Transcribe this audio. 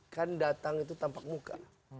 kan datang itu tampak muka